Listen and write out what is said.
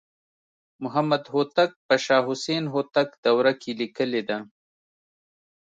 محمدهوتک په شاه حسین هوتک دوره کې لیکلې ده.